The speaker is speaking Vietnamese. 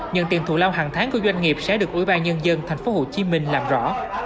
nhận tiền thù lao hàng tháng của doanh nghiệp sẽ được ủy ban nhân dân tp hcm làm rõ